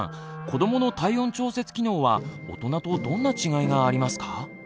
子どもの体温調節機能は大人とどんな違いがありますか？